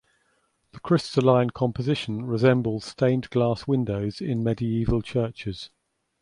The crystalline composition resembles stained glass windows in medieval churches.